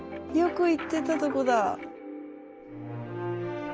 よく行ってたとこだ。